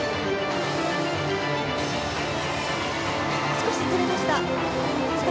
少しずれました。